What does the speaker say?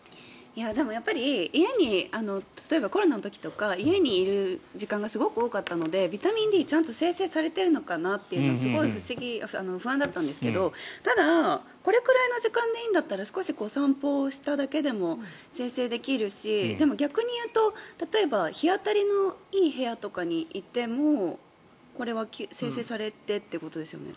でもやっぱりコロナの時とか家にいる時間がすごく多かったのでビタミンＤがちゃんと生成されてるのかなというのはすごい不安だったんですけどただ、これくらいの時間でいいんだったら少し散歩しただけでも生成できるしでも、逆に言うと例えば日当たりのいい部屋とかにいてもこれは生成されてってことですよね。